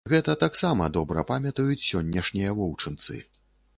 Гэта таксама добра памятаюць сённяшнія воўчынцы.